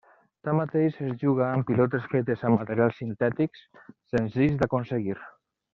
Tanmateix, es juga amb pilotes fetes amb materials sintètics, senzills d'aconseguir.